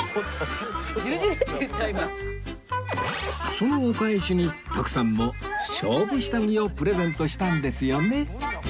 そのお返しに徳さんも勝負下着をプレゼントしたんですよね